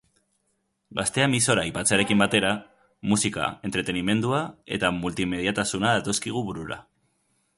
Gaztea emisora aipatzearekin batera, musika, entretenimendua eta multimediatasuna datozkigu burura.